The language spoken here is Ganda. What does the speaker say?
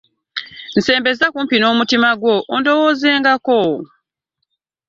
Nsembeza kumpi n'omutima gwo ondowoozengako.